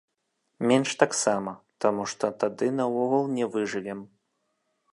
Менш таксама, таму што тады наогул не выжывем.